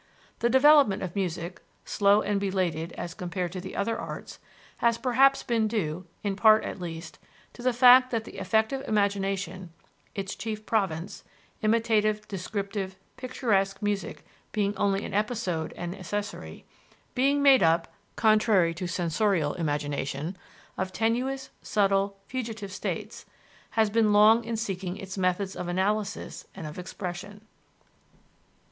The development of music slow and belated as compared to the other arts has perhaps been due, in part at least, to the fact that the affective imagination, its chief province (imitative, descriptive, picturesque music being only an episode and accessory), being made up, contrary to sensorial imagination, of tenuous, subtle, fugitive states, has been long in seeking its methods of analysis and of expression.